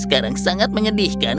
sekarang sangat menyedihkan